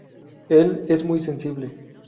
Él es muy sensible.